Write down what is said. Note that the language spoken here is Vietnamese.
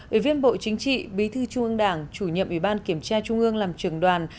ủy viên bộ chính trị bí thư trung ương đảng chủ nhiệm ủy ban kiểm tra trung ương làm trường đoàn